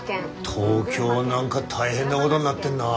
東京何か大変なごどになってんな。